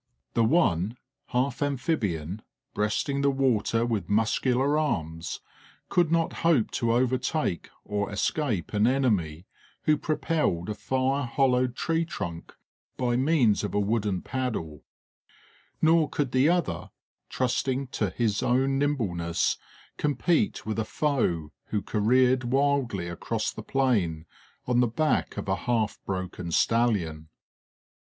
The one, half amphibian, breasting the water with muscular arms, could not hope to overtake or escape an enemy who propelled a fire hollowed tree trunk by means of a wooden paddle; nor could the other, trusting to his own nimbleness, compete with a foe who careered wildly across the plain on the back of a half broken stallion.